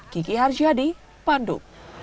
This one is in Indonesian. kiki harjadi pandu